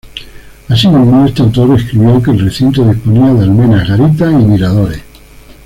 Así mismo, este autor escribió que el recinto disponía de "almenas, garitas y miradores".